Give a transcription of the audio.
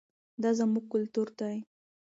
دا زموږ کلتور دی.